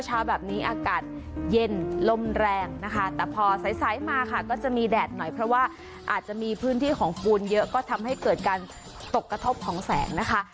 เช้าแบบนี้อากาศเย็นลมแรงนะคะแต่พอใสมาค่ะก็จะมีแดดหน่อยเพราะว่าอาจจะมีพื้นที่ของปูนเยอะก็ทำให้เกิดการตกกระทบของแสงนะคะ